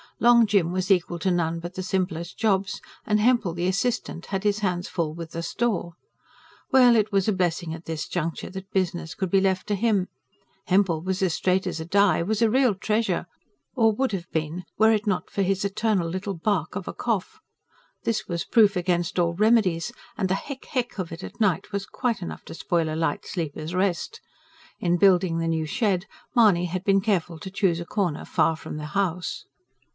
Long Jim was equal to none but the simplest jobs; and Hempel, the assistant, had his hands full with the store. Well, it was a blessing at this juncture that business could be left to him. Hempel was as straight as a die; was a real treasure or would have been, were it not for his eternal little bark of a cough. This was proof against all remedies, and the heck heck of it at night was quite enough to spoil a light sleeper's rest. In building the new shed, Mahony had been careful to choose a corner far from the house.